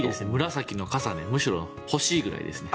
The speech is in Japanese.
紫の傘むしろ欲しいぐらいですね。